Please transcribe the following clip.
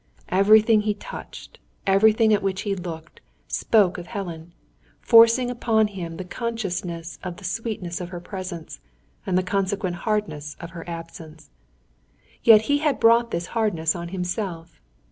Everything he touched, everything at which he looked, spoke of Helen; forcing upon him the consciousness of the sweetness of her presence, and the consequent hardness of her absence. Yet he had brought this hardness on himself.